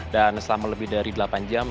dan selama lebih dari delapan jam